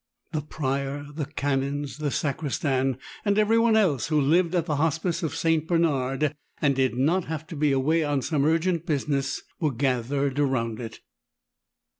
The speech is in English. The Prior, the Canons, the Sacristan, and everyone else who lived at the Hospice of St. Bernard and did not have to be away on some urgent business, were gathered around it.